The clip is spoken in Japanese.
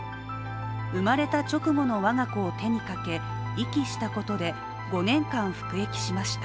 生まれた直後の我が子を手にかけ遺棄したことで５年間服役しました。